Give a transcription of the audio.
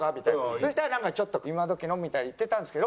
そしたらなんか今どきのみたいに言ってたんですけど。